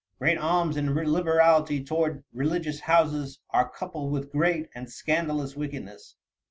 "Great alms and liberality toward religious houses are coupled with great and scandalous wickedness.